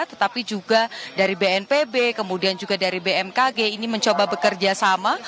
tetapi juga dari bnpb kemudian juga dari bmkg ini mencoba bekerja sama